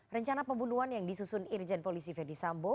rencana pembunuhan yang disusun irjen polisi verdi sambo